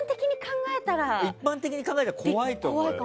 一般的に考えたら怖いと思う。